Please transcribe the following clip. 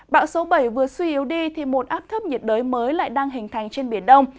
bão số bảy vừa suy yếu đi thì một áp thấp nhiệt đới mới lại đang hình thành trên biển đông